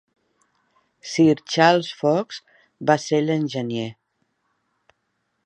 Sir Charles Fox va ser l'enginyer.